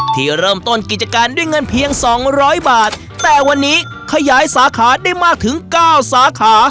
ที่เริ่มต้นกิจการด้วยเงินเพียงสองร้อยบาทแต่วันนี้ขยายสาขาได้มากถึงเก้าสาขา